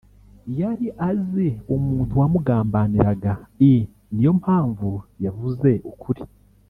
yari azi umuntu wamugambaniraga i Ni yo mpamvu yavuze ukuri